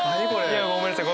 いやごめんなさい。